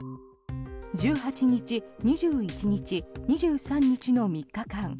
１８日、２１日、２３日の３日間。